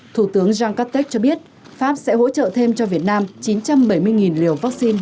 thủ tướng jangkatex cho biết pháp sẽ hỗ trợ thêm cho việt nam chín trăm bảy mươi liều vaccine